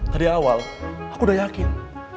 dari awal aku udah yakin